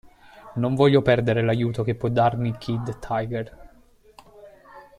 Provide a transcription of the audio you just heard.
Non voglio perdere l'aiuto che può darmi Kid Tiger.